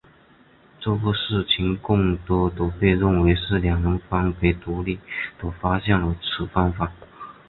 这个事情更多地被认为是两人分别独立地发现了此方法。